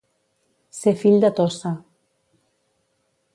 Ser fill de Tossa.